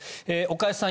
岡安さん